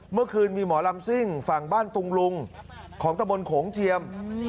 เมื่อคืนมีหมอลำซิ่งฝั่งบ้านตุงลุงของตะบนโขงเจียม